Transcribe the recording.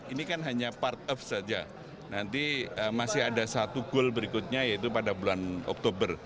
ini kan hanya part off saja nanti masih ada satu goal berikutnya yaitu pada bulan oktober